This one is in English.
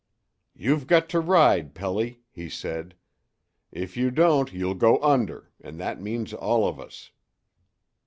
"You've got to ride, Pelly," he said. "If you don't you'll go under, and that means all of us."